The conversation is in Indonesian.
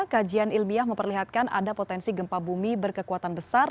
kajian ilmiah memperlihatkan ada potensi gempa bumi berkekuatan besar